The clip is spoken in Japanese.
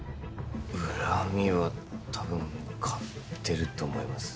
恨みはたぶん買ってると思います